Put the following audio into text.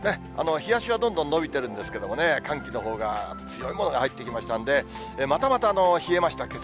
日足はどんどん伸びているんですけどもね、寒気のほうが強いものが入ってきましたんで、またまた冷えました、けさ。